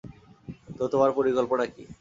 তো, তোমার পরিকল্পনা কী?